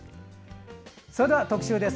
それでは特集です。